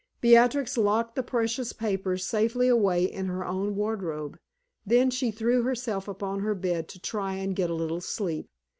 Beatrix locked the precious papers safely away in her own wardrobe, then she threw herself upon her bed to try and get a little sleep.